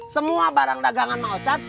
semua barang dagangan mang ochar